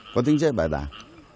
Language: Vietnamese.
có tính chất bài đảng